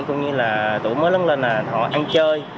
cũng như là tuổi mới lớn lên là họ ăn chơi